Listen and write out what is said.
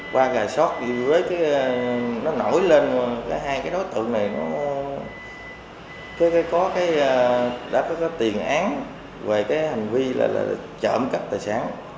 qua gà sót nó nổi lên hai cái đối tượng này nó đã có tiền án về cái hành vi là trộm cấp tài sản